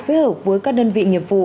phối hợp với các đơn vị nghiệp vụ